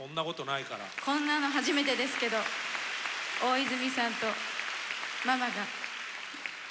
こんなの初めてですけど大泉さんとママが歌わせて頂きます。